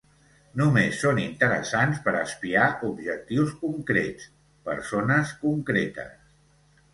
Només són interessants per a espiar objectius concrets, persones concretes.